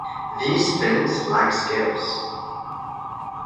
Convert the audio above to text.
These fins lack scales.